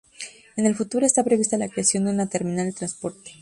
En el futuro está prevista la creación de un terminal de transporte.